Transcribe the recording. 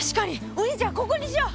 お兄ちゃんここにしよう！